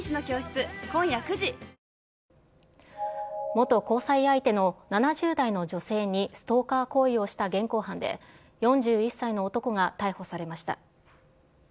⁉元交際相手の７０代の女性にストーカー行為をした現行犯で、４１歳の男が逮捕されました。